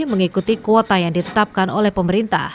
mengikuti kuota yang ditetapkan oleh pemerintah